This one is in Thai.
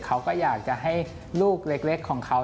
เขาก็อยากจะให้ลูกเล็กของเขา